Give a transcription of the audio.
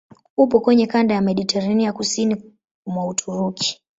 Upo kwenye kanda ya Mediteranea kusini mwa Uturuki.